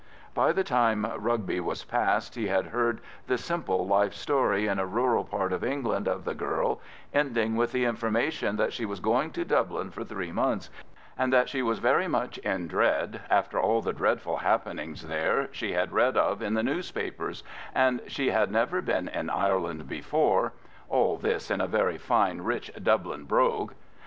By the time Rugby was passed he had heard the simple life history in a rural part of England of the girl, ending with the information that she was going to Dublin for three months, and that she was very much in dread after all the dreadful happenings there she had read of in the papers, and she had never been in Ireland before (all this in a very fine rich Dublin brogue).